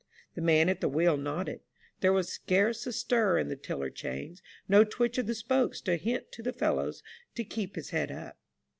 The man at the wheel nodded ; there was scarce a stir in the tiller chains ; no twitch of the spokes to hint to the fellow to keep his head up.